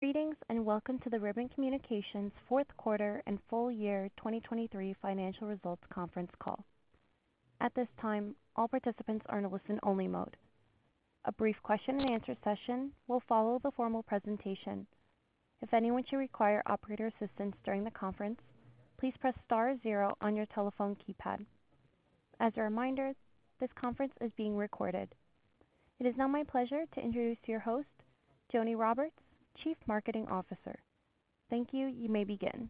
Greetings and welcome to the Ribbon Communications fourth quarter and full year 2023 financial results conference call. At this time, all participants are in a listen-only mode. A brief question-and-answer session will follow the formal presentation. If anyone should require operator assistance during the conference, please press star or zero on your telephone keypad. As a reminder, this conference is being recorded. It is now my pleasure to introduce to your host, Joni Roberts, Chief Marketing Officer. Thank you, you may begin.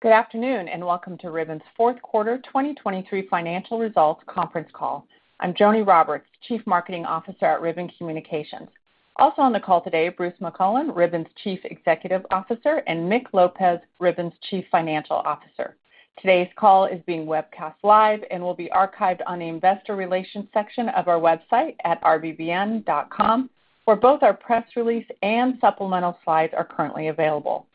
Good afternoon and welcome to Ribbon's fourth quarter 2023 financial results conference call. I'm Joni Roberts, Chief Marketing Officer at Ribbon Communications. Also on the call today, Bruce McClelland, Ribbon's Chief Executive Officer, and Mick Lopez, Ribbon's Chief Financial Officer. Today's call is being webcast live and will be archived on the investor relations section of our website at rbbn.com, where both our press release and supplemental slides are currently available.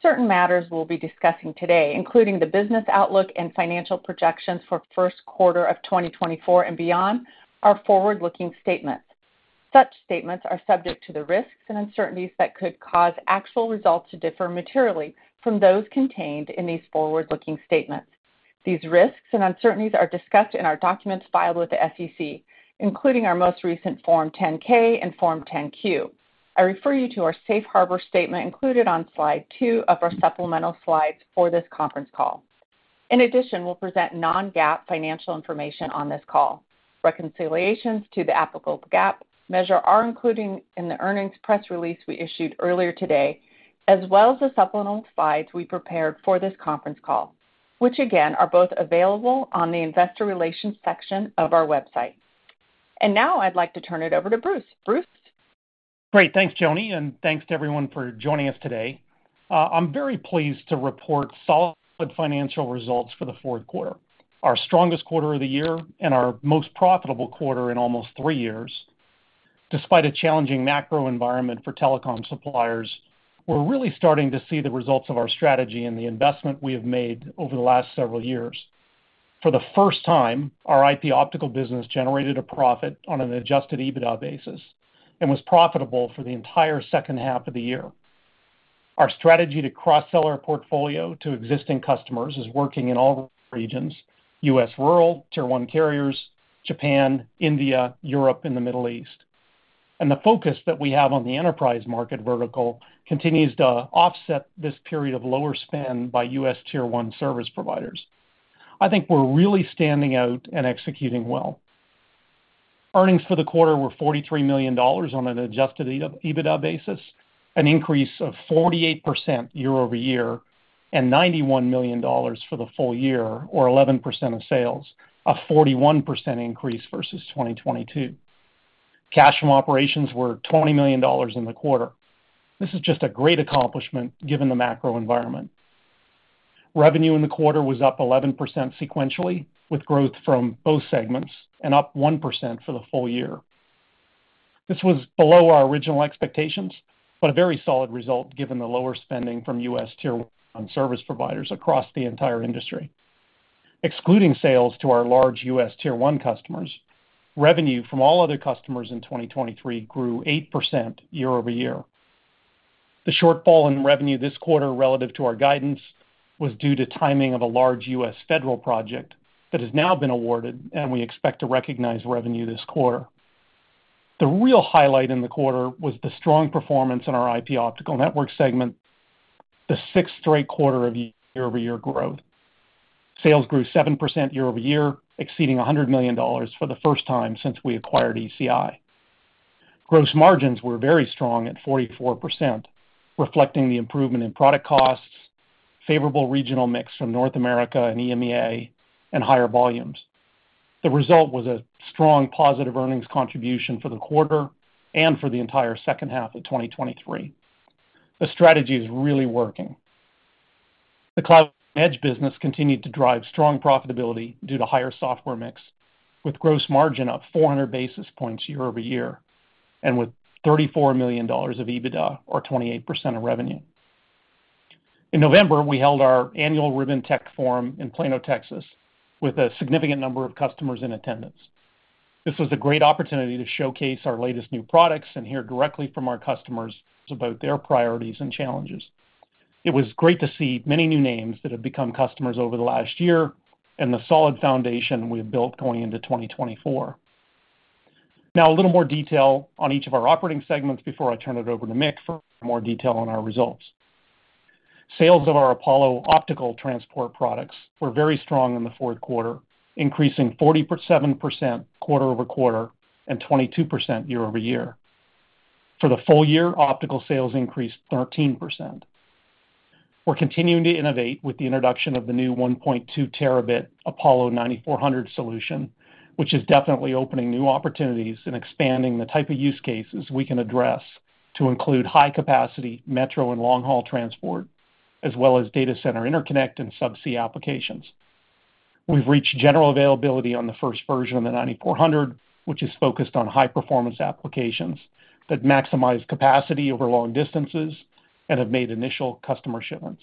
Certain matters we'll be discussing today, including the business outlook and financial projections for first quarter of 2024 and beyond, are forward-looking statements. Such statements are subject to the risks and uncertainties that could cause actual results to differ materially from those contained in these forward-looking statements. These risks and uncertainties are discussed in our documents filed with the SEC, including our most recent Form 10-K and Form 10-Q. I refer you to our safe harbor statement included on slide 2 of our supplemental slides for this conference call. In addition, we'll present non-GAAP financial information on this call. Reconciliations to the applicable GAAP measure are included in the earnings press release we issued earlier today, as well as the supplemental slides we prepared for this conference call, which again are both available on the investor relations section of our website. Now I'd like to turn it over to Bruce. Bruce? Great, thanks Joni, and thanks to everyone for joining us today. I'm very pleased to report solid financial results for the fourth quarter, our strongest quarter of the year and our most profitable quarter in almost three years. Despite a challenging macro environment for telecom suppliers, we're really starting to see the results of our strategy and the investment we have made over the last several years. For the first time, our IP Optical business generated a profit on an adjusted EBITDA basis and was profitable for the entire second half of the year. Our strategy to cross-sell our portfolio to existing customers is working in all regions: U.S. rural, Tier 1 carriers, Japan, India, Europe, and the Middle East. The focus that we have on the enterprise market vertical continues to offset this period of lower spend by U.S. Tier 1 service providers. I think we're really standing out and executing well. Earnings for the quarter were $43 million on an Adjusted EBITDA basis, an increase of 48% year-over-year, and $91 million for the full year, or 11% of sales, a 41% increase versus 2022. Cash from operations were $20 million in the quarter. This is just a great accomplishment given the macro environment. Revenue in the quarter was up 11% sequentially, with growth from both segments and up 1% for the full year. This was below our original expectations, but a very solid result given the lower spending from U.S. Tier 1 service providers across the entire industry. Excluding sales to our large U.S. Tier 1 customers, revenue from all other customers in 2023 grew 8% year-over-year. The shortfall in revenue this quarter relative to our guidance was due to timing of a large U.S. federal project that has now been awarded, and we expect to recognize revenue this quarter. The real highlight in the quarter was the strong performance in our IP Optical Networks segment, the sixth straight quarter of year-over-year growth. Sales grew 7% year-over-year, exceeding $100 million for the first time since we acquired ECI. Gross margins were very strong at 44%, reflecting the improvement in product costs, favorable regional mix from North America and EMEA, and higher volumes. The result was a strong positive earnings contribution for the quarter and for the entire second half of 2023. The strategy is really working. The Cloud and Edge business continued to drive strong profitability due to higher software mix, with gross margin up 400 basis points year-over-year and with $34 million of EBITDA, or 28% of revenue. In November, we held our annual Ribbon Tech Forum in Plano, Texas, with a significant number of customers in attendance. This was a great opportunity to showcase our latest new products and hear directly from our customers about their priorities and challenges. It was great to see many new names that have become customers over the last year and the solid foundation we have built going into 2024. Now, a little more detail on each of our operating segments before I turn it over to Mick for more detail on our results. Sales of our Apollo optical transport products were very strong in the fourth quarter, increasing 47% quarter-over-quarter and 22% year-over-year. For the full year, optical sales increased 13%. We're continuing to innovate with the introduction of the new 1.2 terabit Apollo 9400 solution, which is definitely opening new opportunities and expanding the type of use cases we can address to include high-capacity metro and long-haul transport, as well as data center interconnect and subsea applications. We've reached general availability on the first version of the 9400, which is focused on high-performance applications that maximize capacity over long distances and have made initial customer shipments.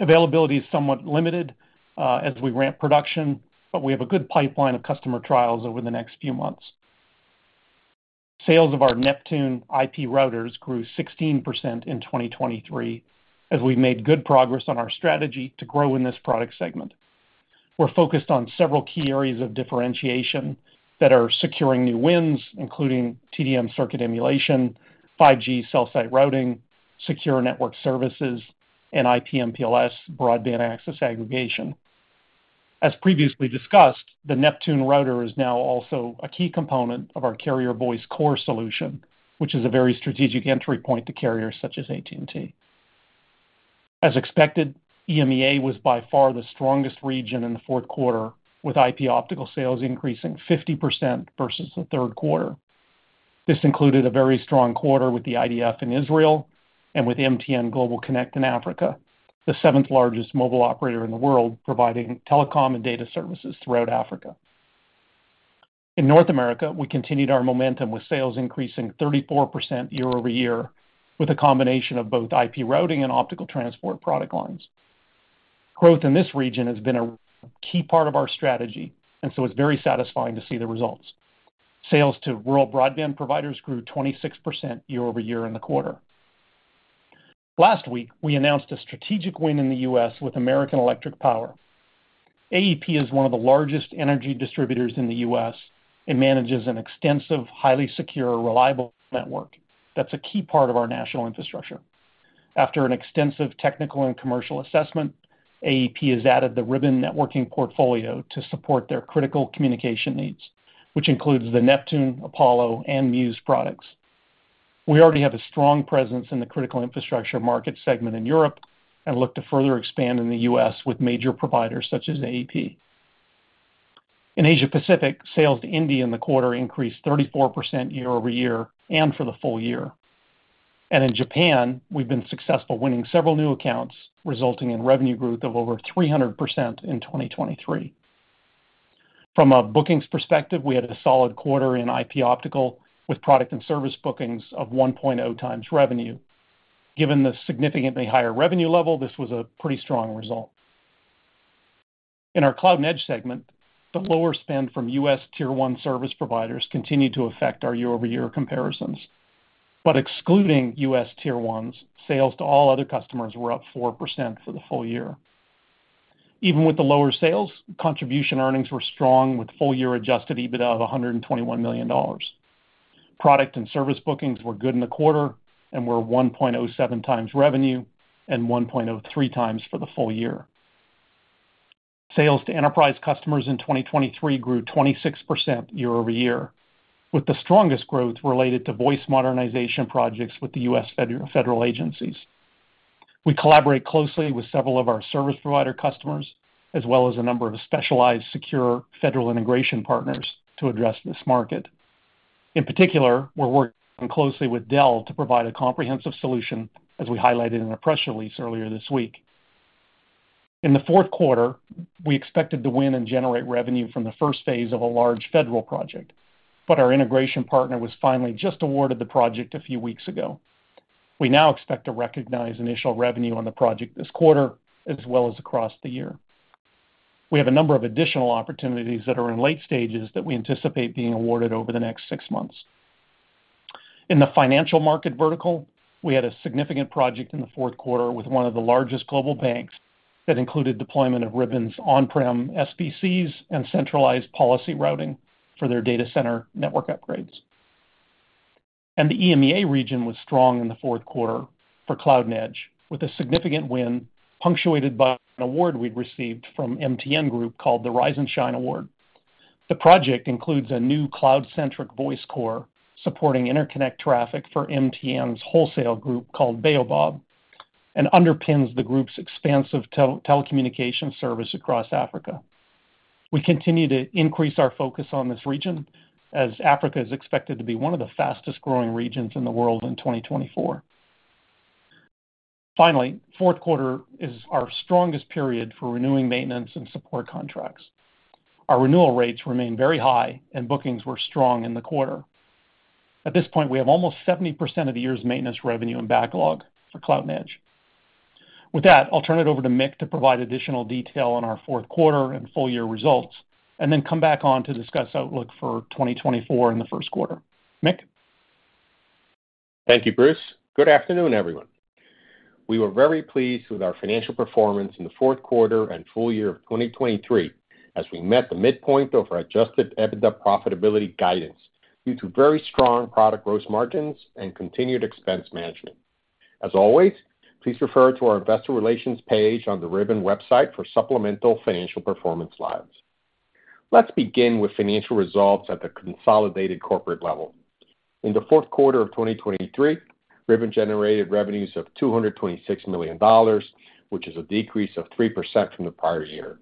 Availability is somewhat limited as we ramp production, but we have a good pipeline of customer trials over the next few months. Sales of our Neptune IP routers grew 16% in 2023, as we've made good progress on our strategy to grow in this product segment. We're focused on several key areas of differentiation that are securing new wins, including TDM circuit emulation, 5G cell site routing, secure network services, and IP/MPLS broadband access aggregation. As previously discussed, the Neptune router is now also a key component of our Carrier Voice Core solution, which is a very strategic entry point to carriers such as AT&T. As expected, EMEA was by far the strongest region in the fourth quarter, with IP Optical sales increasing 50% versus the third quarter. This included a very strong quarter with the IDF in Israel and with MTN GlobalConnect in Africa, the seventh largest mobile operator in the world providing telecom and data services throughout Africa. In North America, we continued our momentum with sales increasing 34% year-over-year with a combination of both IP routing and optical transport product lines. Growth in this region has been a key part of our strategy, and so it's very satisfying to see the results. Sales to rural broadband providers grew 26% year-over-year in the quarter. Last week, we announced a strategic win in the U.S. with American Electric Power. AEP is one of the largest energy distributors in the U.S. and manages an extensive, highly secure, reliable network that's a key part of our national infrastructure. After an extensive technical and commercial assessment, AEP has added the Ribbon Networking portfolio to support their critical communication needs, which includes the Neptune, Apollo, and Muse products. We already have a strong presence in the critical infrastructure market segment in Europe and look to further expand in the U.S. with major providers such as AEP. In Asia Pacific, sales to India in the quarter increased 34% year-over-year and for the full year. In Japan, we've been successful winning several new accounts, resulting in revenue growth of over 300% in 2023. From a bookings perspective, we had a solid quarter in IP Optical with product and service bookings of 1.0 times revenue. Given the significantly higher revenue level, this was a pretty strong result. In our Cloud and Edge segment, the lower spend from U.S. Tier 1 service providers continued to affect our year-over-year comparisons. But excluding U.S. Tier 1s, sales to all other customers were up 4% for the full year. Even with the lower sales, contribution earnings were strong with full year adjusted EBITDA of $121 million. Product and service bookings were good in the quarter and were 1.07 times revenue and 1.03 times for the full year. Sales to enterprise customers in 2023 grew 26% year-over-year, with the strongest growth related to voice modernization projects with the U.S. federal agencies. We collaborate closely with several of our service provider customers, as well as a number of specialized secure federal integration partners to address this market. In particular, we're working closely with Dell to provide a comprehensive solution, as we highlighted in a press release earlier this week. In the fourth quarter, we expected to win and generate revenue from the first phase of a large federal project, but our integration partner was finally just awarded the project a few weeks ago. We now expect to recognize initial revenue on the project this quarter, as well as across the year. We have a number of additional opportunities that are in late stages that we anticipate being awarded over the next six months. In the financial market vertical, we had a significant project in the fourth quarter with one of the largest global banks that included deployment of Ribbon's on-prem SBCs and centralized policy routing for their data center network upgrades. The EMEA region was strong in the fourth quarter for cloud and edge, with a significant win punctuated by an award we'd received from MTN Group called the Rise and Shine Award. The project includes a new cloud-centric voice core supporting interconnect traffic for MTN's wholesale group called Bayobab and underpins the group's expansive telecommunication service across Africa. We continue to increase our focus on this region as Africa is expected to be one of the fastest growing regions in the world in 2024. Finally, fourth quarter is our strongest period for renewing maintenance and support contracts. Our renewal rates remain very high, and bookings were strong in the quarter. At this point, we have almost 70% of the year's maintenance revenue in backlog for Cloud and Edge. With that, I'll turn it over to Mick to provide additional detail on our fourth quarter and full year results and then come back on to discuss outlook for 2024 in the first quarter. Mick? Thank you, Bruce. Good afternoon, everyone. We were very pleased with our financial performance in the fourth quarter and full year of 2023 as we met the midpoint of our Adjusted EBITDA profitability guidance due to very strong product gross margins and continued expense management. As always, please refer to our investor relations page on the Ribbon website for supplemental financial performance slides. Let's begin with financial results at the consolidated corporate level. In the fourth quarter of 2023, Ribbon generated revenues of $226 million, which is a decrease of 3% from the prior year.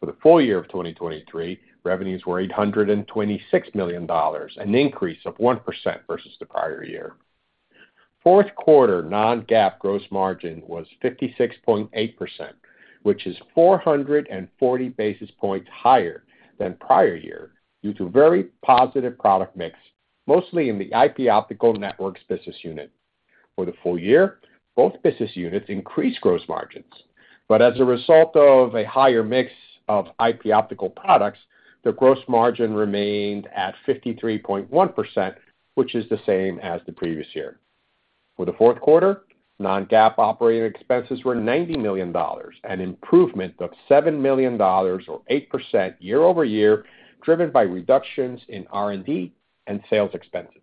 For the full year of 2023, revenues were $826 million, an increase of 1% versus the prior year. Fourth quarter non-GAAP gross margin was 56.8%, which is 440 basis points higher than prior year due to very positive product mix, mostly in the IP Optical Networks business unit. For the full year, both business units increased gross margins. But as a result of a higher mix of IP Optical products, the gross margin remained at 53.1%, which is the same as the previous year. For the fourth quarter, non-GAAP operating expenses were $90 million, an improvement of $7 million, or 8% year-over-year, driven by reductions in R&D and sales expenses.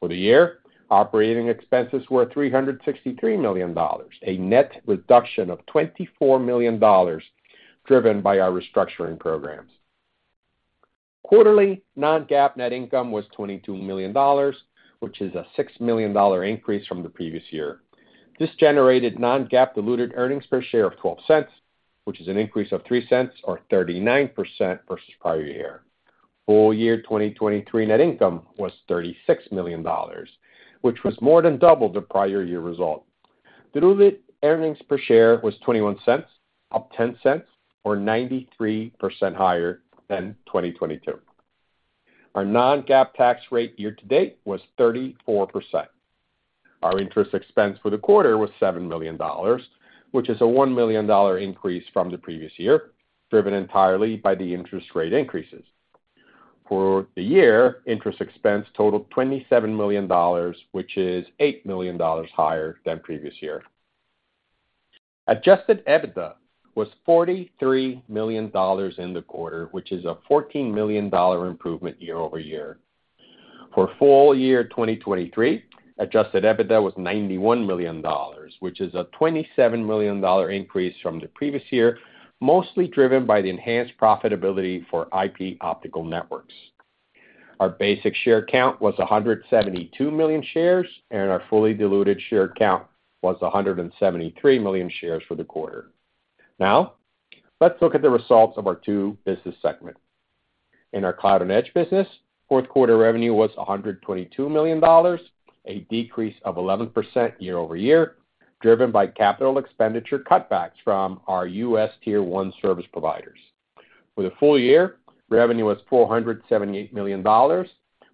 For the year, operating expenses were $363 million, a net reduction of $24 million driven by our restructuring programs. Quarterly, non-GAAP net income was $22 million, which is a $6 million increase from the previous year. This generated non-GAAP diluted earnings per share of $0.12, which is an increase of $0.03, or 39% versus prior year. Full year 2023 net income was $36 million, which was more than double the prior year result. Diluted earnings per share was $0.21, up $0.10, or 93% higher than 2022. Our non-GAAP tax rate year to date was 34%. Our interest expense for the quarter was $7 million, which is a $1 million increase from the previous year, driven entirely by the interest rate increases. For the year, interest expense totaled $27 million, which is $8 million higher than previous year. Adjusted EBITDA was $43 million in the quarter, which is a $14 million improvement year over year. For full year 2023, adjusted EBITDA was $91 million, which is a $27 million increase from the previous year, mostly driven by the enhanced profitability for IP Optical Networks. Our basic share count was 172 million shares, and our fully diluted share count was 173 million shares for the quarter. Now, let's look at the results of our two business segments. In our cloud and edge business, fourth quarter revenue was $122 million, a decrease of 11% year-over-year, driven by capital expenditure cutbacks from our U.S. Tier 1 service providers. For the full year, revenue was $478 million,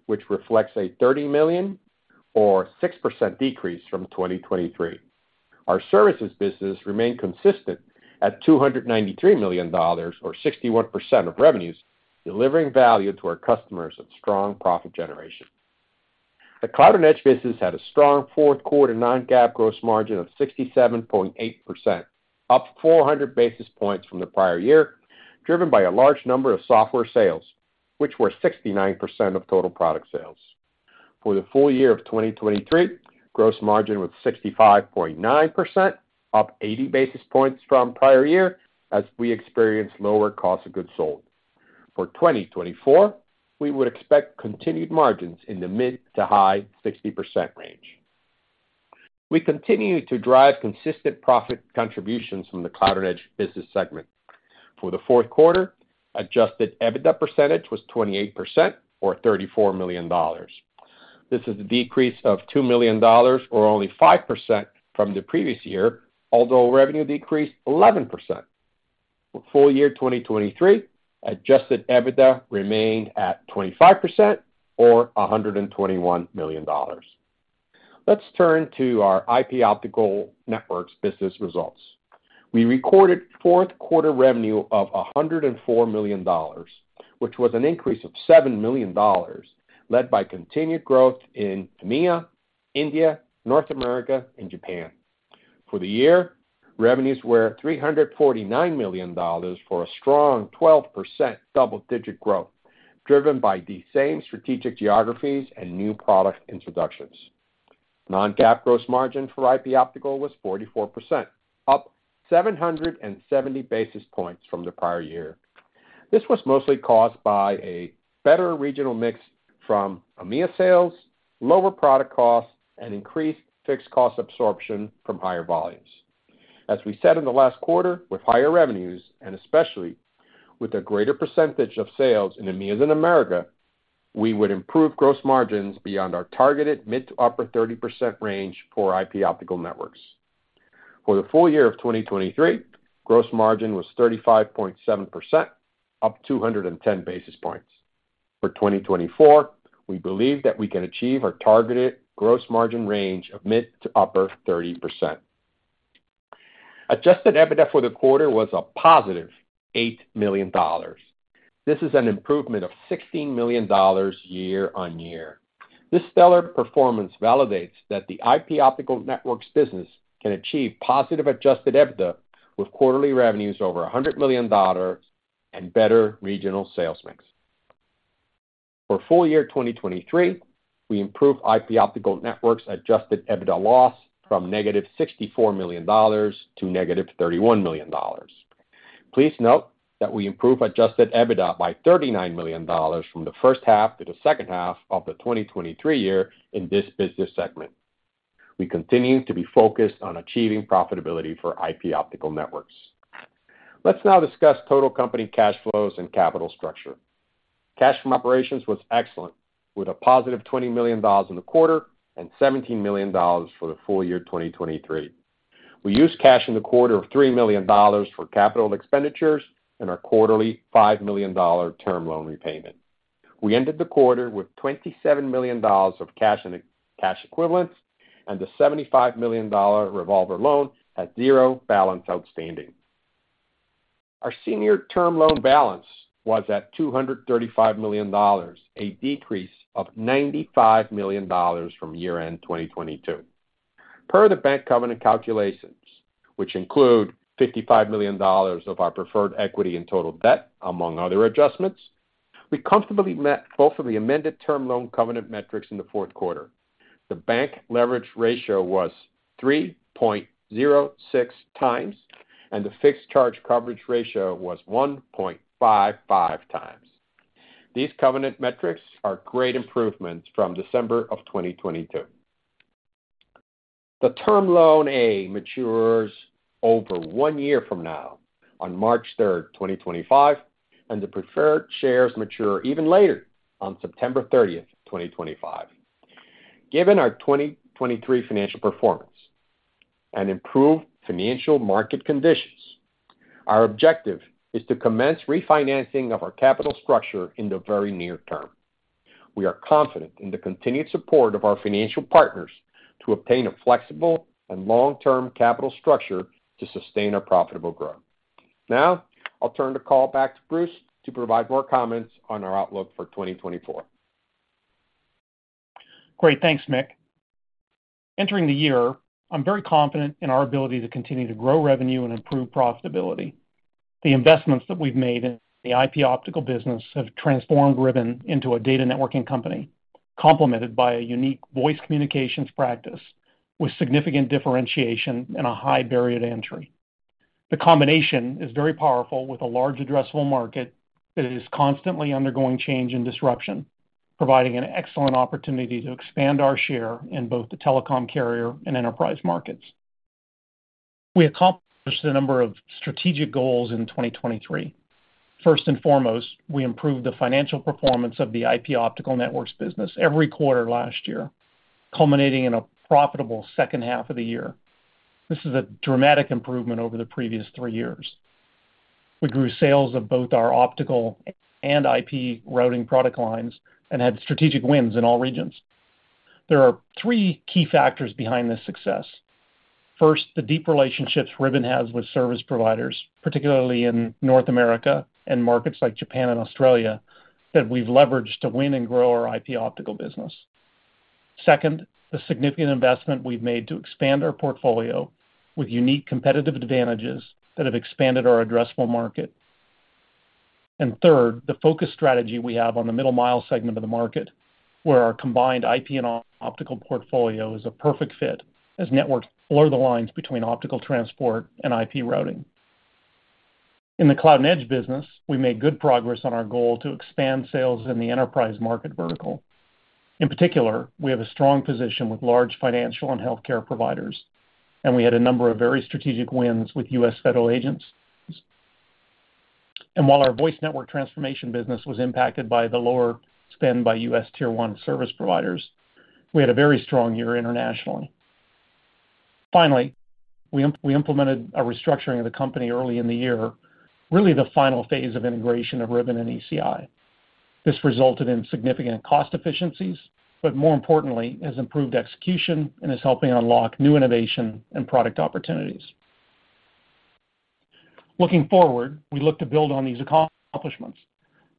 which reflects a $30 million, or 6% decrease from 2023. Our services business remained consistent at $293 million, or 61% of revenues, delivering value to our customers and strong profit generation. The cloud and edge business had a strong fourth quarter non-GAAP gross margin of 67.8%, up 400 basis points from the prior year, driven by a large number of software sales, which were 69% of total product sales. For the full year of 2023, gross margin was 65.9%, up 80 basis points from prior year as we experienced lower cost of goods sold. For 2024, we would expect continued margins in the mid- to high-60% range. We continue to drive consistent profit contributions from the Cloud and Edge business segment. For the fourth quarter, adjusted EBITDA percentage was 28%, or $34 million. This is a decrease of $2 million, or only 5% from the previous year, although revenue decreased 11%. For full year 2023, adjusted EBITDA remained at 25%, or $121 million. Let's turn to our IP Optical Networks business results. We recorded fourth quarter revenue of $104 million, which was an increase of $7 million, led by continued growth in EMEA, India, North America, and Japan. For the year, revenues were $349 million for a strong 12% double-digit growth, driven by the same strategic geographies and new product introductions. Non-GAAP gross margin for IP Optical was 44%, up 770 basis points from the prior year. This was mostly caused by a better regional mix from EMEA sales, lower product costs, and increased fixed cost absorption from higher volumes. As we said in the last quarter, with higher revenues and especially with a greater percentage of sales in EMEAs in America, we would improve gross margins beyond our targeted mid- to upper-30% range for IP Optical Networks. For the full year of 2023, gross margin was 35.7%, up 210 basis points. For 2024, we believe that we can achieve our targeted gross margin range of mid- to upper-30%. Adjusted EBITDA for the quarter was a positive $8 million. This is an improvement of $16 million year-on-year. This stellar performance validates that the IP Optical Networks business can achieve positive adjusted EBITDA with quarterly revenues over $100 million and better regional sales mix. For full year 2023, we improve IP Optical Networks Adjusted EBITDA loss from -$64 million to -$31 million. Please note that we improve Adjusted EBITDA by $39 million from the first half to the second half of the 2023 year in this business segment. We continue to be focused on achieving profitability for IP Optical Networks. Let's now discuss total company cash flows and capital structure. Cash from operations was excellent, with a positive $20 million in the quarter and $17 million for the full year 2023. We used cash in the quarter of $3 million for capital expenditures and our quarterly $5 million term loan repayment. We ended the quarter with $27 million of cash equivalents and the $75 million revolver loan at zero balance outstanding. Our senior term loan balance was at $235 million, a decrease of $95 million from year-end 2022. Per the bank covenant calculations, which include $55 million of our preferred equity in total debt, among other adjustments, we comfortably met both of the amended term loan covenant metrics in the fourth quarter. The bank leverage ratio was 3.06 times, and the fixed charge coverage ratio was 1.55 times. These covenant metrics are great improvements from December of 2022. The Term Loan A matures over one year from now on March 3rd, 2025, and the preferred shares mature even later on September 30th, 2025. Given our 2023 financial performance and improved financial market conditions, our objective is to commence refinancing of our capital structure in the very near term. We are confident in the continued support of our financial partners to obtain a flexible and long-term capital structure to sustain our profitable growth. Now, I'll turn the call back to Bruce to provide more comments on our outlook for 2024. Great. Thanks, Mick. Entering the year, I'm very confident in our ability to continue to grow revenue and improve profitability. The investments that we've made in the IP Optical business have transformed Ribbon into a data networking company, complemented by a unique voice communications practice with significant differentiation and a high barrier to entry. The combination is very powerful with a large addressable market that is constantly undergoing change and disruption, providing an excellent opportunity to expand our share in both the telecom carrier and enterprise markets. We accomplished a number of strategic goals in 2023. First and foremost, we improved the financial performance of the IP Optical Networks business every quarter last year, culminating in a profitable second half of the year. This is a dramatic improvement over the previous three years. We grew sales of both our optical and IP routing product lines and had strategic wins in all regions. There are three key factors behind this success. First, the deep relationships Ribbon has with service providers, particularly in North America and markets like Japan and Australia, that we've leveraged to win and grow our IP Optical business. Second, the significant investment we've made to expand our portfolio with unique competitive advantages that have expanded our addressable market. And third, the focus strategy we have on the middle mile segment of the market, where our combined IP and optical portfolio is a perfect fit as networks blur the lines between optical transport and IP routing. In the Cloud and Edge business, we made good progress on our goal to expand sales in the enterprise market vertical. In particular, we have a strong position with large financial and healthcare providers, and we had a number of very strategic wins with U.S. federal agencies. While our voice network transformation business was impacted by the lower spend by U.S. Tier 1 service providers, we had a very strong year internationally. Finally, we implemented a restructuring of the company early in the year, really the final phase of integration of Ribbon and ECI. This resulted in significant cost efficiencies, but more importantly, has improved execution and is helping unlock new innovation and product opportunities. Looking forward, we look to build on these accomplishments.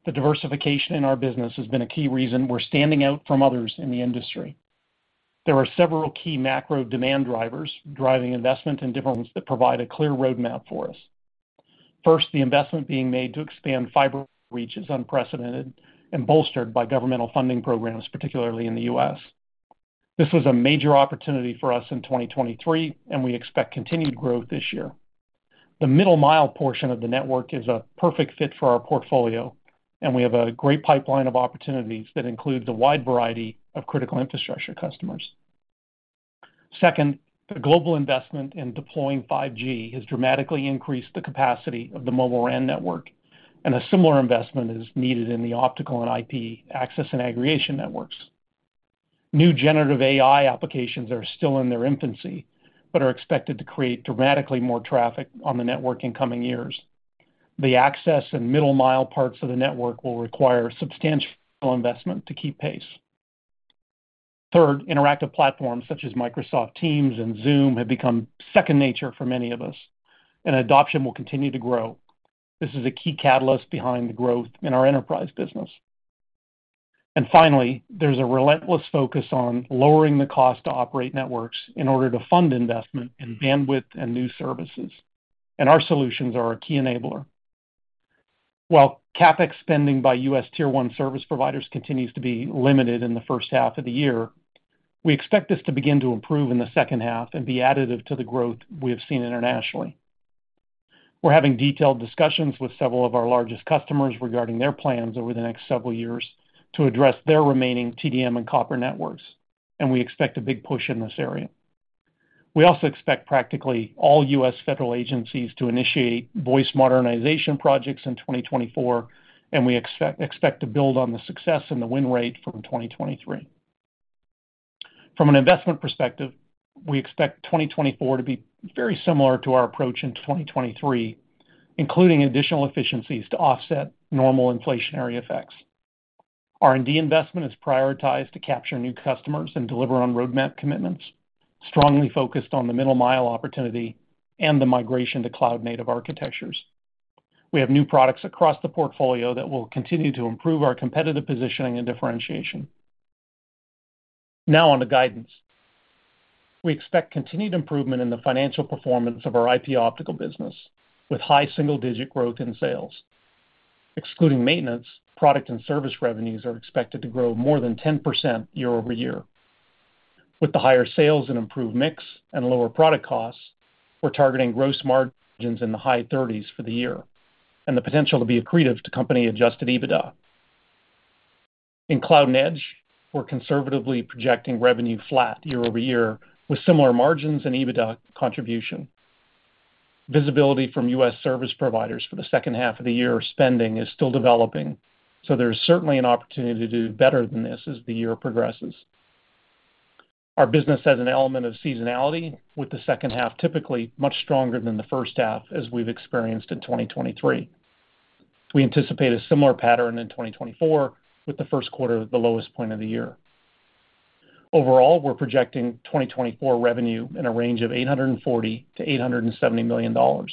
The diversification in our business has been a key reason we're standing out from others in the industry. There are several key macro demand drivers driving investment in different areas that provide a clear roadmap for us. First, the investment being made to expand fiber reach is unprecedented and bolstered by governmental funding programs, particularly in the U.S. This was a major opportunity for us in 2023, and we expect continued growth this year. The middle-mile portion of the network is a perfect fit for our portfolio, and we have a great pipeline of opportunities that includes a wide variety of critical infrastructure customers. Second, the global investment in deploying 5G has dramatically increased the capacity of the mobile RAN network, and a similar investment is needed in the optical and IP access and aggregation networks. New generative AI applications are still in their infancy but are expected to create dramatically more traffic on the network in coming years. The access and middle-mile parts of the network will require substantial investment to keep pace. Third, interactive platforms such as Microsoft Teams and Zoom have become second nature for many of us, and adoption will continue to grow. This is a key catalyst behind the growth in our enterprise business. And finally, there's a relentless focus on lowering the cost to operate networks in order to fund investment in bandwidth and new services. And our solutions are a key enabler. While CAPEX spending by U.S. Tier 1 service providers continues to be limited in the first half of the year, we expect this to begin to improve in the second half and be additive to the growth we have seen internationally. We're having detailed discussions with several of our largest customers regarding their plans over the next several years to address their remaining TDM and copper networks, and we expect a big push in this area. We also expect practically all U.S. federal agencies to initiate voice modernization projects in 2024, and we expect to build on the success and the win rate from 2023. From an investment perspective, we expect 2024 to be very similar to our approach in 2023, including additional efficiencies to offset normal inflationary effects. R&D investment is prioritized to capture new customers and deliver on roadmap commitments, strongly focused on the middle-mile opportunity and the migration to cloud-native architectures. We have new products across the portfolio that will continue to improve our competitive positioning and differentiation. Now on to guidance. We expect continued improvement in the financial performance of our IP Optical business with high single-digit growth in sales. Excluding maintenance, product and service revenues are expected to grow more than 10% year-over-year. With the higher sales and improved mix and lower product costs, we're targeting gross margins in the high 30s for the year and the potential to be accretive to company-adjusted EBITDA. In Cloud and Edge, we're conservatively projecting revenue flat year-over-year with similar margins and EBITDA contribution. Visibility from U.S. service providers for the second half of the year spending is still developing, so there's certainly an opportunity to do better than this as the year progresses. Our business has an element of seasonality, with the second half typically much stronger than the first half as we've experienced in 2023. We anticipate a similar pattern in 2024, with the first quarter the lowest point of the year. Overall, we're projecting 2024 revenue in a range of $840 million-$870 million.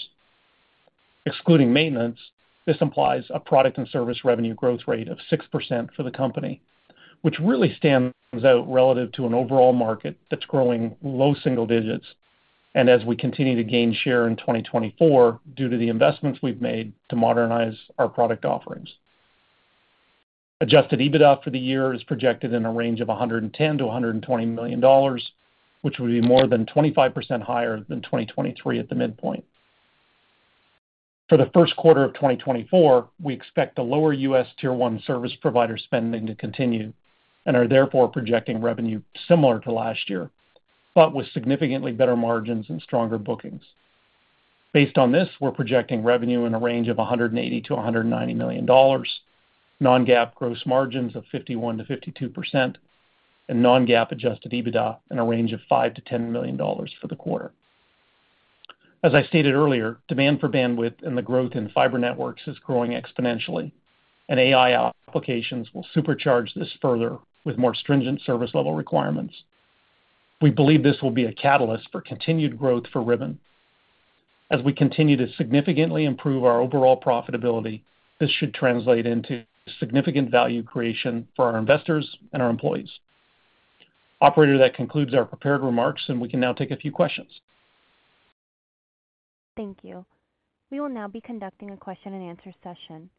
Excluding maintenance, this implies a product and service revenue growth rate of 6% for the company, which really stands out relative to an overall market that's growing low single digits and as we continue to gain share in 2024 due to the investments we've made to modernize our product offerings. Adjusted EBITDA for the year is projected in a range of $110 million-$120 million, which would be more than 25% higher than 2023 at the midpoint. For the first quarter of 2024, we expect the lower U.S. Tier 1 service provider spending to continue and are therefore projecting revenue similar to last year but with significantly better margins and stronger bookings. Based on this, we're projecting revenue in a range of $180 million-$190 million, non-GAAP gross margins of 51%-52%, and non-GAAP adjusted EBITDA in a range of $5 million-$10 million for the quarter. As I stated earlier, demand for bandwidth and the growth in fiber networks is growing exponentially, and AI applications will supercharge this further with more stringent service level requirements. We believe this will be a catalyst for continued growth for Ribbon. As we continue to significantly improve our overall profitability, this should translate into significant value creation for our investors and our employees. Operator, that concludes our prepared remarks, and we can now take a few questions. Thank you. We will now be conducting a question-and-answer session.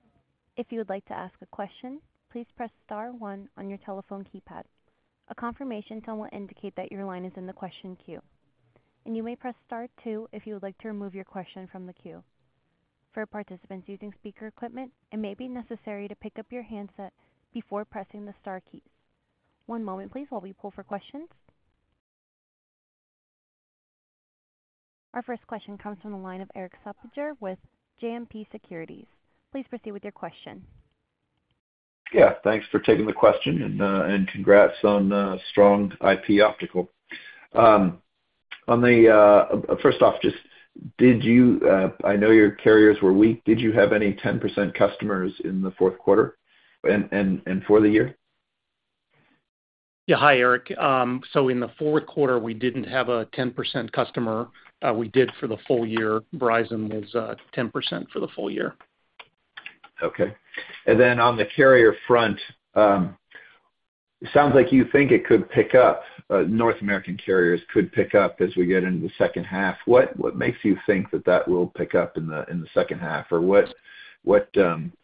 If you would like to ask a question, please press star 1 on your telephone keypad. A confirmation tone will indicate that your line is in the question queue. You may press star 2 if you would like to remove your question from the queue. For participants using speaker equipment, it may be necessary to pick up your handset before pressing the star keys. One moment, please, while we pull for questions. Our first question comes from the line of Erik Suppiger with JMP Securities. Please proceed with your question. Yeah. Thanks for taking the question, and congrats on strong IP Optical. First off, I know your carriers were weak. Did you have any 10% customers in the fourth quarter and for the year? Yeah. Hi, Erik. So in the fourth quarter, we didn't have a 10% customer. We did for the full year. Verizon was 10% for the full year. Okay. And then on the carrier front, it sounds like you think it could pick up. North American carriers could pick up as we get into the second half. What makes you think that that will pick up in the second half, or what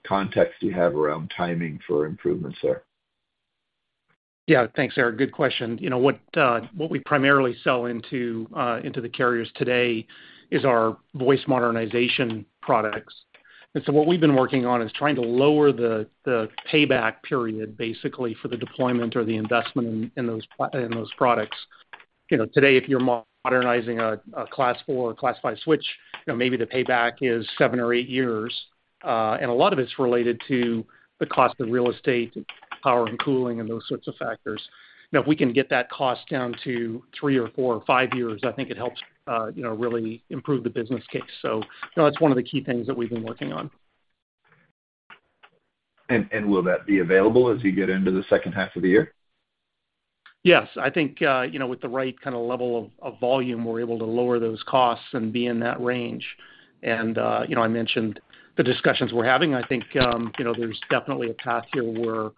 context do you have around timing for improvements there? Yeah. Thanks, Erik. Good question. What we primarily sell into the carriers today is our voice modernization products. And so what we've been working on is trying to lower the payback period, basically, for the deployment or the investment in those products. Today, if you're modernizing a Class 4 or Class 5 switch, maybe the payback is 7 or 8 years. And a lot of it's related to the cost of real estate, power, and cooling, and those sorts of factors. Now, if we can get that cost down to 3 or 4 or 5 years, I think it helps really improve the business case. So that's one of the key things that we've been working on. Will that be available as you get into the second half of the year? Yes. I think with the right kind of level of volume, we're able to lower those costs and be in that range. I mentioned the discussions we're having. I think there's definitely a path here where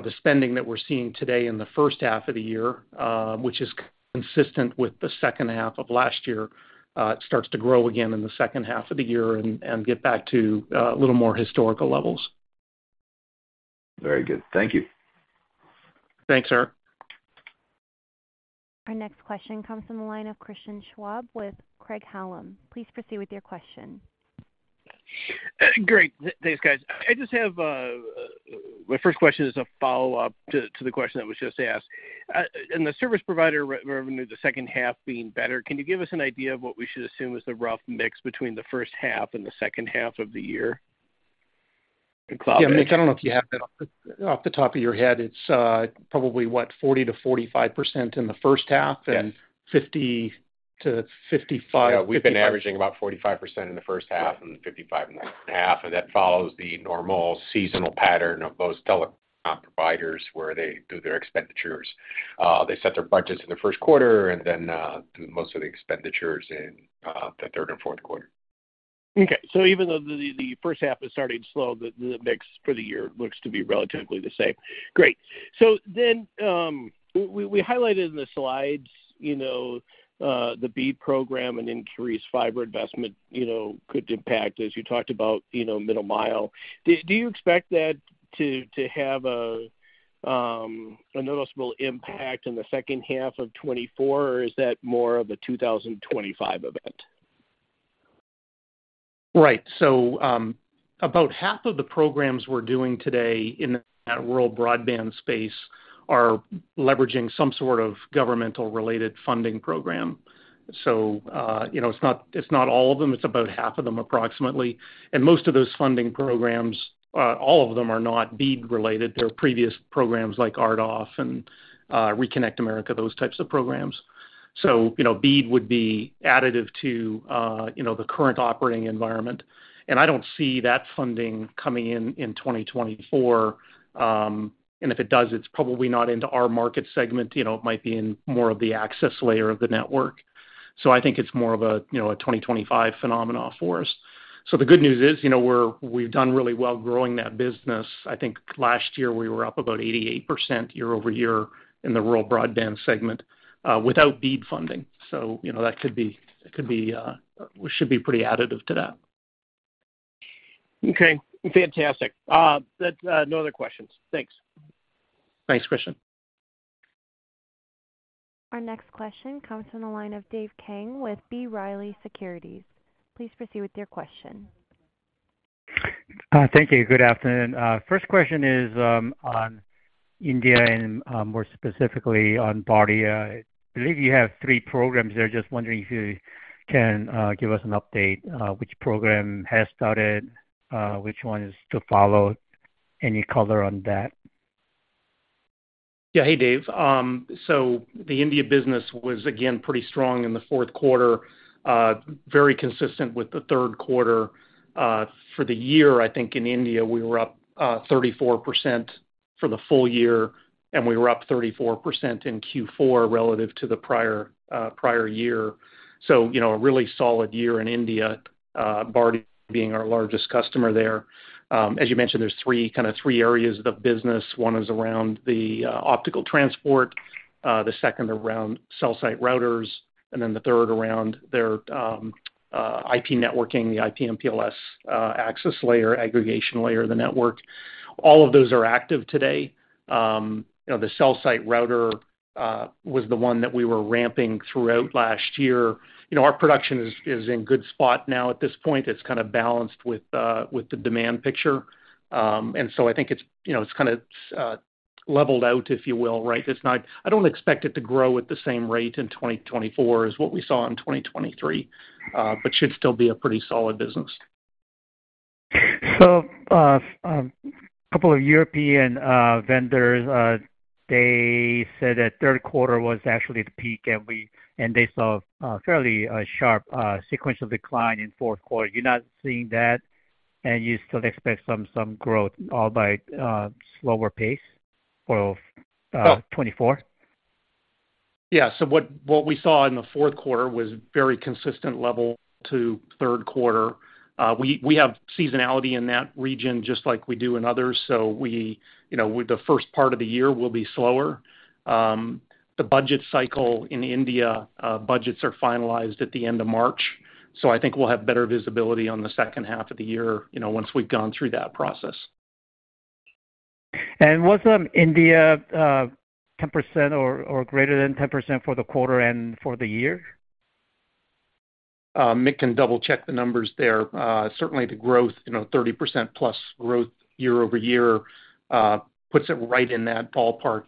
the spending that we're seeing today in the first half of the year, which is consistent with the second half of last year, starts to grow again in the second half of the year and get back to a little more historical levels. Very good. Thank you. Thanks, Erik. Our next question comes from the line of Christian Schwab with Craig-Hallum. Please proceed with your question. Great. Thanks, guys. My first question is a follow-up to the question that was just asked. In the service provider revenue, the second half being better, can you give us an idea of what we should assume is the rough mix between the first half and the second half of the year in Cloud and Edge? Yeah. I mean, I don't know if you have that off the top of your head. It's probably, what, 40%-45% in the first half and 50%-55% in the second half. Yeah. We've been averaging about 45% in the first half and 55% in the second half. That follows the normal seasonal pattern of those telecom providers where they do their expenditures. They set their budgets in the first quarter and then do most of the expenditures in the third and fourth quarter. Okay. So even though the first half is starting to slow, the mix for the year looks to be relatively the same. Great. So then we highlighted in the slides the BEAD program and increased fiber investment could impact, as you talked about, middle mile. Do you expect that to have a noticeable impact in the second half of 2024, or is that more of a 2025 event? Right. So about half of the programs we're doing today in that wireline broadband space are leveraging some sort of governmental-related funding program. So it's not all of them. It's about half of them, approximately. And most of those funding programs, all of them are not BEAD-related. They're previous programs like RDOF and ReConnect America, those types of programs. So BEAD would be additive to the current operating environment. And I don't see that funding coming in in 2024. And if it does, it's probably not into our market segment. It might be in more of the access layer of the network. So I think it's more of a 2025 phenomenon for us. So the good news is we've done really well growing that business. I think last year, we were up about 88% year-over-year in the wireline broadband segment without BEAD funding. So that could be. It should be pretty additive to that. Okay. Fantastic. No other questions. Thanks. Thanks, Christian. Our next question comes from the line of Dave Kang with B. Riley Securities. Please proceed with your question. Thank you. Good afternoon. First question is on India and more specifically on BharatNet. I believe you have three programs there. Just wondering if you can give us an update, which program has started, which one is to follow, any color on that? Yeah. Hey, Dave. So the India business was, again, pretty strong in the fourth quarter, very consistent with the third quarter. For the year, I think in India, we were up 34% for the full year, and we were up 34% in Q4 relative to the prior year. So a really solid year in India, Bharti being our largest customer there. As you mentioned, there's kind of three areas of business. One is around the optical transport, the second around cell site routers, and then the third around their IP networking, the IP/MPLS access layer, aggregation layer of the network. All of those are active today. The cell site router was the one that we were ramping throughout last year. Our production is in good spot now at this point. It's kind of balanced with the demand picture. And so I think it's kind of leveled out, if you will, right? I don't expect it to grow at the same rate in 2024 as what we saw in 2023, but should still be a pretty solid business. So a couple of European vendors, they said that third quarter was actually the peak, and they saw a fairly sharp sequential decline in fourth quarter. You're not seeing that, and you still expect some growth albeit slower pace for 2024? Yeah. So what we saw in the fourth quarter was very consistent level to third quarter. We have seasonality in that region just like we do in others. So the first part of the year will be slower. The budget cycle in India, budgets are finalized at the end of March. So I think we'll have better visibility on the second half of the year once we've gone through that process. Was India 10% or greater than 10% for the quarter and for the year? Mick can double-check the numbers there. Certainly, the growth, 30%-plus growth year-over-year, puts it right in that ballpark,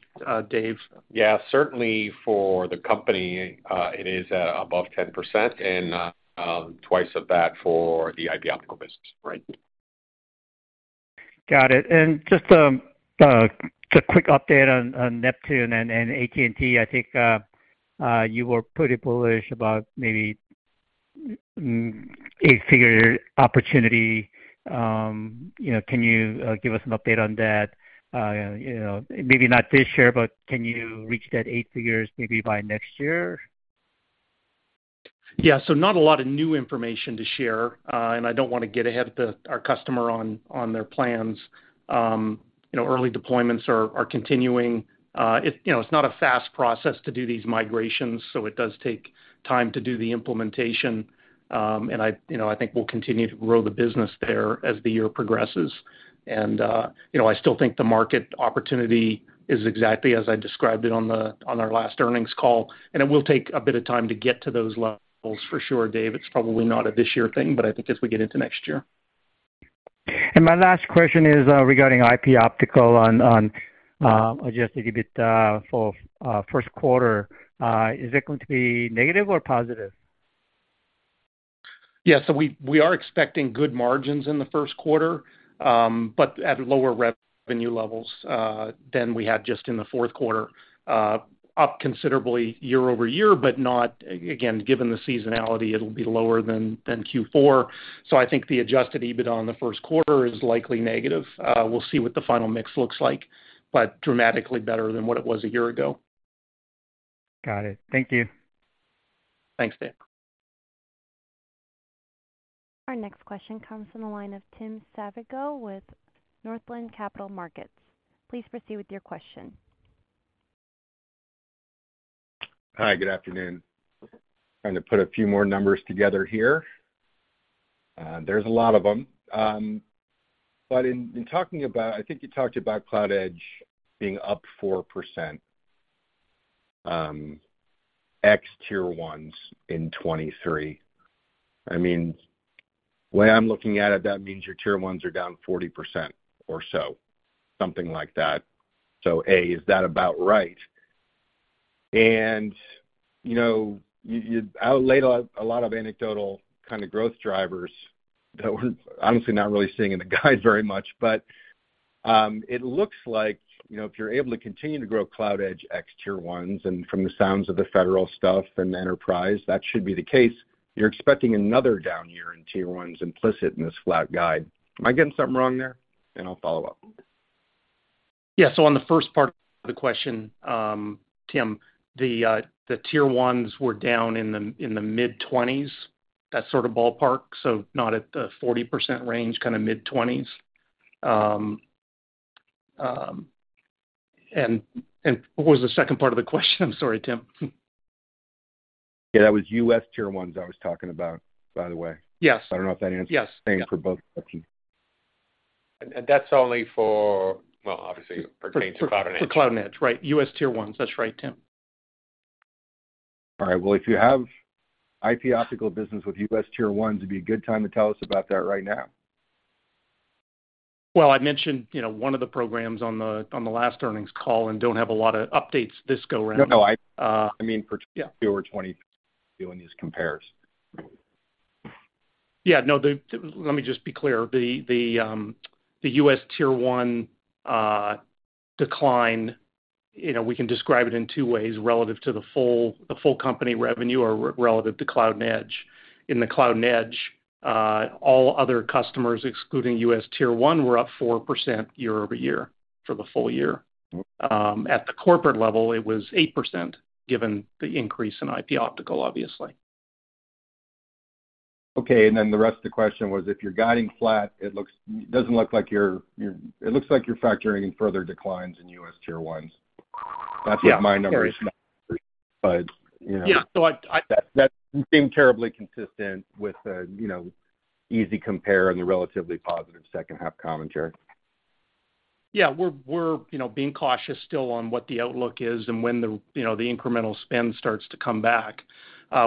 Dave. Yeah. Certainly, for the company, it is above 10% and twice of that for the IP Optical business. Right. Got it. And just a quick update on Neptune and AT&T. I think you were pretty bullish about maybe eight-figure opportunity. Can you give us an update on that? Maybe not this year, but can you reach that eight figures maybe by next year? Yeah. So not a lot of new information to share, and I don't want to get ahead of our customer on their plans. Early deployments are continuing. It's not a fast process to do these migrations, so it does take time to do the implementation. And I think we'll continue to grow the business there as the year progresses. And I still think the market opportunity is exactly as I described it on our last earnings call. And it will take a bit of time to get to those levels, for sure, Dave. It's probably not a this-year thing, but I think as we get into next year. My last question is regarding IP Optical on Adjusted EBITDA for first quarter. Is it going to be negative or positive? Yeah. So we are expecting good margins in the first quarter but at lower revenue levels than we had just in the fourth quarter, up considerably year-over-year. But again, given the seasonality, it'll be lower than Q4. So I think the Adjusted EBITDA on the first quarter is likely negative. We'll see what the final mix looks like, but dramatically better than what it was a year ago. Got it. Thank you. Thanks, Dave. Our next question comes from the line of Tim Savageaux with Northland Capital Markets. Please proceed with your question. Hi. Good afternoon. Trying to put a few more numbers together here. There's a lot of them. But in talking about, I think you talked about Cloud and Edge being up 4% ex-Tier 1s in 2023. I mean, the way I'm looking at it, that means your Tier 1s are down 40% or so, something like that. So A, is that about right? And I'll lay out a lot of anecdotal kind of growth drivers that we're honestly not really seeing in the guides very much. But it looks like if you're able to continue to grow Cloud and Edge ex-Tier 1s and from the sounds of the federal stuff and enterprise, that should be the case, you're expecting another down year in Tier 1s implicit in this flat guide. Am I getting something wrong there? And I'll follow up. Yeah. So on the first part of the question, Tim, the Tier 1s were down in the mid-20s, that sort of ballpark, so not at the 40% range, kind of mid-20s. What was the second part of the question? I'm sorry, Tim. Yeah. That was U.S. Tier 1s I was talking about, by the way. Yes. I don't know if that answers anything for both questions. That's only for, well, obviously, pertaining to Cloud and Edge. For Cloud and Edge, right. U.S. Tier 1s. That's right, Tim. All right. Well, if you have IP Optical business with U.S. Tier 1s, it'd be a good time to tell us about that right now. Well, I mentioned one of the programs on the last earnings call and don't have a lot of updates this go around. No, no. I mean, for Q2 or 2023, doing these compares. Yeah. No, let me just be clear. The U.S. Tier 1 decline, we can describe it in two ways relative to the full company revenue or relative to Cloud and Edge. In the Cloud and Edge, all other customers excluding U.S. Tier 1 were up 4% year-over-year for the full year. At the corporate level, it was 8% given the increase in IP Optical, obviously. Okay. And then the rest of the question was, if you're guiding flat, it looks like you're factoring in further declines in U.S. Tier 1s. That's what my numbers show, but. Yeah. So I. That didn't seem terribly consistent with the easy compare and the relatively positive second-half commentary. Yeah. We're being cautious still on what the outlook is and when the incremental spend starts to come back.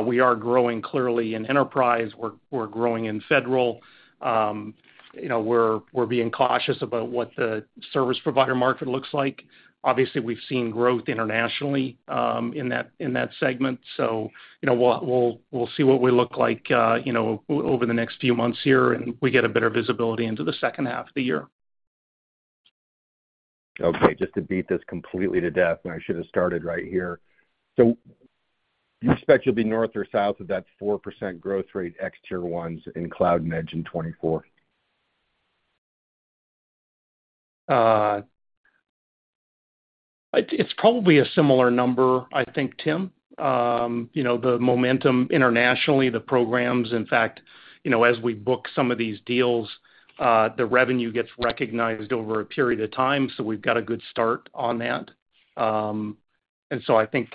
We are growing clearly in enterprise. We're growing in federal. We're being cautious about what the service provider market looks like. Obviously, we've seen growth internationally in that segment. So we'll see what we look like over the next few months here, and we get a better visibility into the second half of the year. Okay. Just to beat this completely to death, and I should have started right here. So you expect you'll be north or south of that 4% growth rate ex-Tier 1s in Cloud and Edge in 2024? It's probably a similar number, I think, Tim. The momentum internationally, the programs, in fact, as we book some of these deals, the revenue gets recognized over a period of time. So we've got a good start on that. And so I think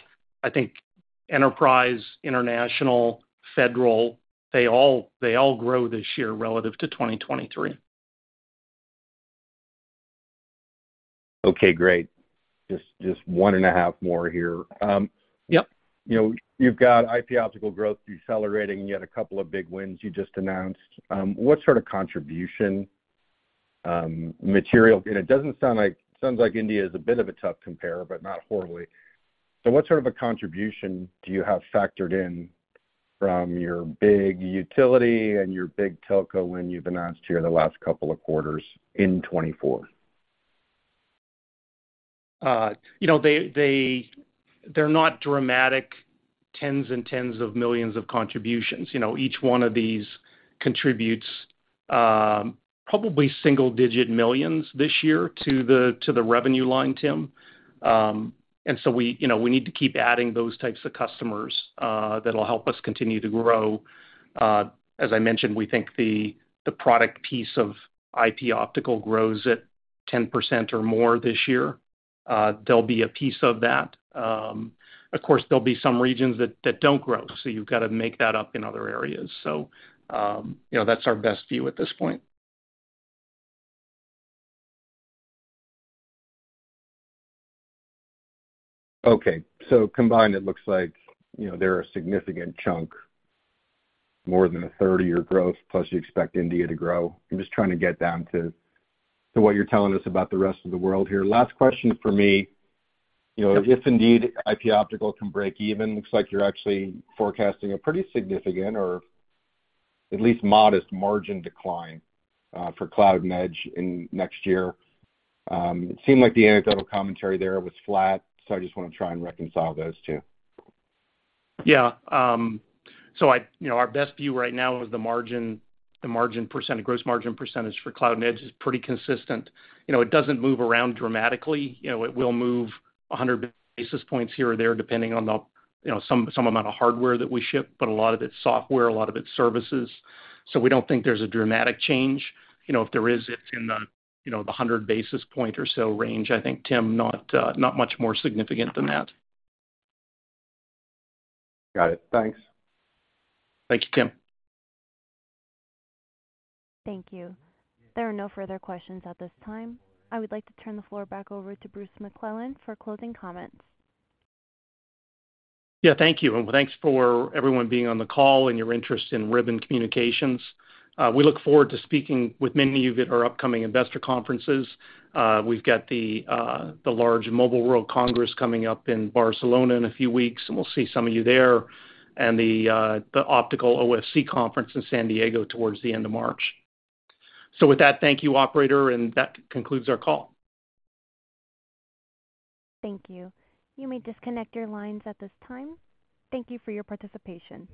enterprise, international, federal, they all grow this year relative to 2023. Okay. Great. Just one and a half more here. You've got IP Optical growth decelerating, and you had a couple of big wins you just announced. What sort of contribution material and it sounds like India is a bit of a tough compare, but not horribly. So what sort of a contribution do you have factored in from your big utility and your big telco when you've announced here the last couple of quarters in 2024? They're not dramatic tens and tens of millions of contributions. Each one of these contributes probably single-digit millions this year to the revenue line, Tim. And so we need to keep adding those types of customers that'll help us continue to grow. As I mentioned, we think the product piece of IP Optical grows at 10% or more this year. There'll be a piece of that. Of course, there'll be some regions that don't grow. So you've got to make that up in other areas. So that's our best view at this point. Okay. So combined, it looks like they're a significant chunk, more than a 30-year growth, plus you expect India to grow. I'm just trying to get down to what you're telling us about the rest of the world here. Last question for me. If indeed IP Optical can break even, looks like you're actually forecasting a pretty significant or at least modest margin decline for Cloud and Edge next year. It seemed like the anecdotal commentary there was flat. So I just want to try and reconcile those two. Yeah. So our best view right now is the margin percentage, gross margin percentage for Cloud and Edge is pretty consistent. It doesn't move around dramatically. It will move 100 basis points here or there depending on some amount of hardware that we ship, but a lot of it's software, a lot of it's services. So we don't think there's a dramatic change. If there is, it's in the 100 basis point or so range, I think, Tim, not much more significant than that. Got it. Thanks. Thank you, Tim. Thank you. There are no further questions at this time. I would like to turn the floor back over to Bruce McClelland for closing comments. Yeah. Thank you. And thanks for everyone being on the call and your interest in Ribbon Communications. We look forward to speaking with many of you at our upcoming investor conferences. We've got the large Mobile World Congress coming up in Barcelona in a few weeks, and we'll see some of you there, and the optical OFC conference in San Diego towards the end of March. So with that, thank you, operator. And that concludes our call. Thank you. You may disconnect your lines at this time. Thank you for your participation.